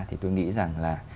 thì tôi nghĩ rằng là